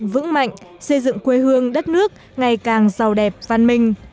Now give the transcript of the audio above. vững mạnh xây dựng quê hương đất nước ngày càng giàu đẹp văn minh